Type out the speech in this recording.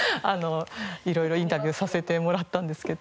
色々インタビューさせてもらったんですけど。